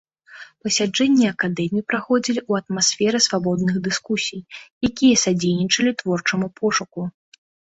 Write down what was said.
Пасяджэнні акадэмій праходзілі ў атмасферы свабодных дыскусій, якія садзейнічалі творчаму пошуку.